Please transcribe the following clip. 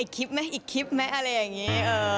อีกคลิปมั้ยอีกคลิปมั้ยอะไรอย่างนี้